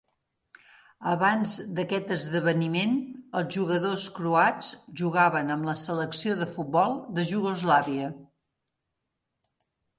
Abans d'aquest esdeveniment, els jugadors croats jugaven amb la selecció de futbol de Iugoslàvia.